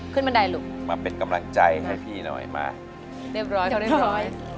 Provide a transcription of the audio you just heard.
บันไดลูกมาเป็นกำลังใจให้พี่หน่อยมาเรียบร้อยเขาเรียบร้อย